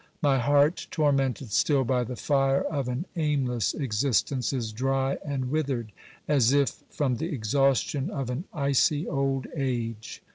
My heart, tormented still by the fire of an aimless existence, is dry and withered, as if from the exhaustion of an icy old age.